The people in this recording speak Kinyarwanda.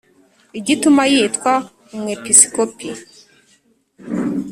Igituma yitwa umwepisikopi